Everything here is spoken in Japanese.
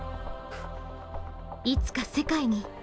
いつか世界に。